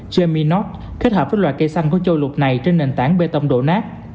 jemmy knott kết hợp với loài cây xanh có chôi lụt này trên nền tảng bê tông đổ nát